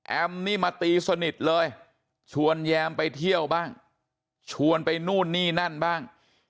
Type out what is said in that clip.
นี่มาตีสนิทเลยชวนแยมไปเที่ยวบ้างชวนไปนู่นนี่นั่นบ้าง